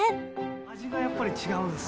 味がやっぱり違うんです。